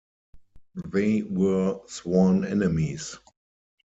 They were sworn enemies.